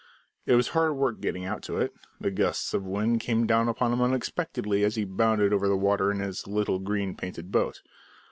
It was hard work getting out to it! The gusts of wind came down upon him unexpectedly as he bounded over the water in his little green painted boat.